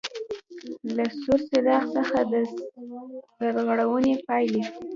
له سور څراغ څخه د سرغړونې پاېلې: